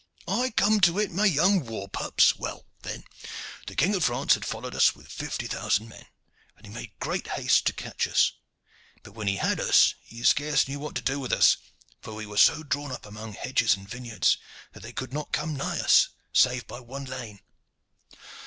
"I come to it, my young war pups. Well, then, the King of France had followed us with fifty thousand men, and he made great haste to catch us, but when he had us he scarce knew what to do with us, for we were so drawn up among hedges and vineyards that they could not come nigh us, save by one lane.